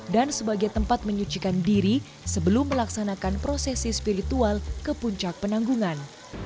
dan sebagai tempat menyucikan diri sebelum melaksanakan prosesi spiritual ke puncak penanggungan